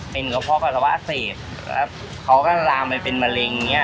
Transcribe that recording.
เป็นกับพ่อกระสาวอาเศษแล้วเขาก็ลามไปเป็นมะเร็งอย่างนี้